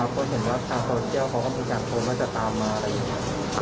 เพราะเห็นว่าทางโทรเจียลเขาก็มีการโทรแล้วก็จะตามมาอะไรไหมครับ